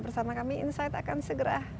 bersama kami insight akan segera